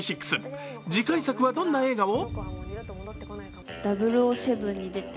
次回作はどんな映画を？